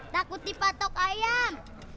takut dipatok ayam